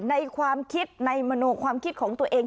ในความคิดในมโนความคิดของตัวเอง